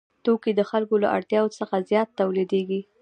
توکي د خلکو له اړتیاوو څخه زیات تولیدېږي